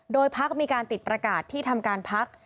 โดยภักดิ์มีการติดประกาศที่ทำการภักดิ์